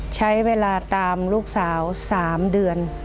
ใช้เวลาตามลูกสาว๓เดือน